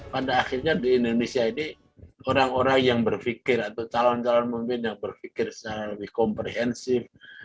pada akhirnya di indonesia ini orang orang yang berpikir atau calon calon pemimpin yang berpikir secara lebih komprehensif